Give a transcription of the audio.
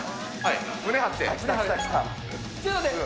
はい。